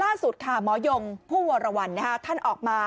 ล่าสุดค่ะหมอยงผู้วรวรรณท่านออกมา